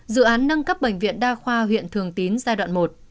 dự án nâng cấp bệnh viện đa khoa huyện thường tín giai đoạn một